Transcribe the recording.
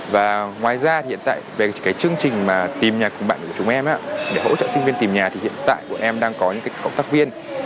và ngoài ra hiện tại về cái chương trình mà tìm nhà cùng bạn của chúng em để hỗ trợ sinh viên tìm nhà thì hiện tại bọn em đang có những cái cộng tác viên